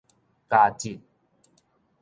膠質